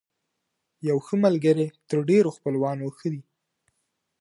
يو ښه ملګری تر ډېرو خپلوانو ښه دی.